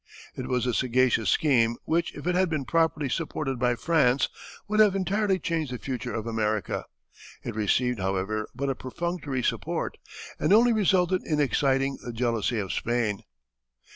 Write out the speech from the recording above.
It was a sagacious scheme which if it had been properly supported by France would have entirely changed the future of America. It received, however, but a perfunctory support, and only resulted in exciting the jealousy of Spain.